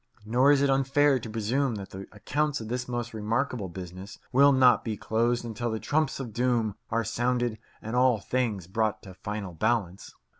Nor is it unfair to presume that the accounts of this most remarkable business will not be closed until the Trumps of Doom are sounded and all things brought to final balance.